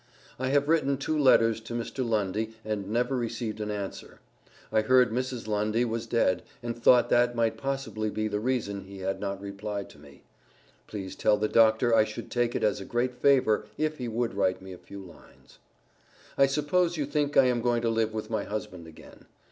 I have written two letters to Dr. Lundy and never received an answer. I heard Mrs. Lundy was dead, and thought that might possibly be the reason he had not replied to me. Please tell the Doctor I should take it as a great favor if he would write me a few lines. I suppose you think I am going to live with my husband again.